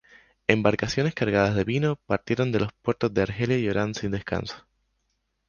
Embarcaciones cargadas de vino partieron de los puertos de Argelia y Orán sin descanso.